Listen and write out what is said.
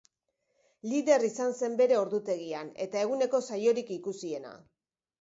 Lider izan zen bere ordutegian eta eguneko saiorik ikusiena.